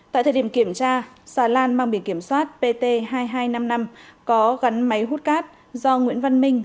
tại thời điểm kiểm tra xà lan mang biển kiểm soát pt hai nghìn hai trăm năm mươi năm có gắn máy hút cát do nguyễn văn minh